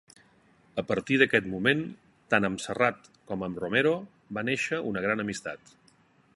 A partir d'aquest moment, tant amb Serrat com amb Romero, va néixer una gran amistat.